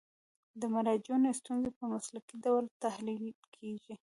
د مراجعینو ستونزې په مسلکي ډول تحلیل کیږي.